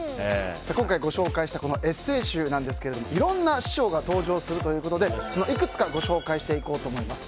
今回ご紹介したエッセー集なんですがいろんな師匠が登場するということでそのいくつかをご紹介していこうと思います。